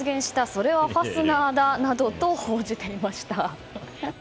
それはファスナーだなどと報じていました。